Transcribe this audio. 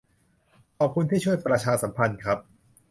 ขอบคุณที่ช่วยประชาสัมพันธ์ครับ